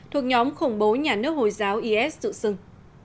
thuộc nhóm khủng bố nhà nước hồi giáo is tự xưng